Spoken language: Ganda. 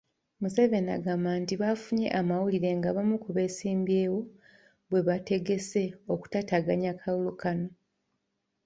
Museveni agamba nti bafunye amawulire ng'abamu ku beesimbyewo bwe bategese okutaataaganya akalulu kano